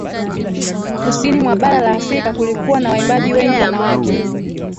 kusini mwa bara la afrika kulikuwa na waimbaji wengi wanawake